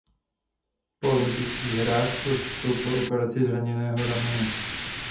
Po olympijských hrách podstoupil operaci zraněného ramene.